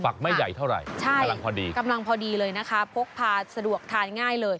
ฝักไม่ใหญ่เท่าไรใช่กำลังพอดีเลยนะคะโพกพาสะดวกทานง่ายเลย